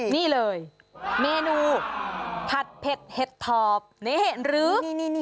นี่เลยเมนูผัดเผ็ดเห็ดถอบนี่เห็ดหรือ